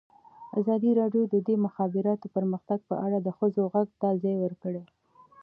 ازادي راډیو د د مخابراتو پرمختګ په اړه د ښځو غږ ته ځای ورکړی.